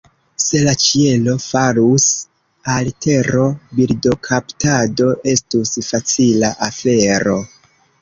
Se la ĉielo falus al tero, birdokaptado estus facila afero.